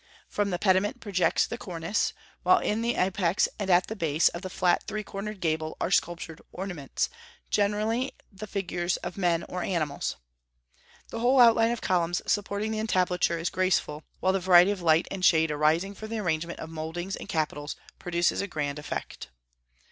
From the pediment projects the cornice, while in the apex and at the base of the flat three cornered gable are sculptured ornaments, generally the figures of men or animals. The whole outline of columns supporting the entablature is graceful, while the variety of light and shade arising from the arrangement of mouldings and capitals produces a grand effect.